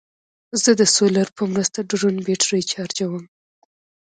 زه د سولر په مرسته ډرون بیټرۍ چارجوم.